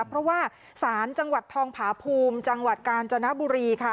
เพราะว่าศาลจังหวัดทองผาภูมิจังหวัดกาญจนบุรีค่ะ